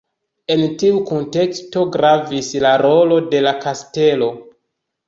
En tiu kunteksto gravis la rolo de la kastelo.